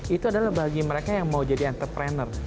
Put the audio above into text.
itu adalah bagi mereka yang mau jadi entrepreneur